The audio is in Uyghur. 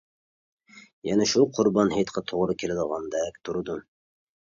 يەنە شۇ قۇربان ھېيتقا توغرا كېلىدىغاندەك تۇرىدۇ.